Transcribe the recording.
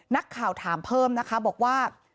นักข่าวถามเพิ่มนะคะบอกว่า